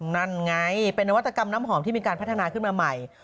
นั่นไงเป็นนวัตกรรมน้ำหอมที่มีการพัฒนาขึ้นมาใหม่